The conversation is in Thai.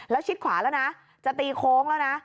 ชิดขวาแล้วนะจะตีโค้งแล้วนะ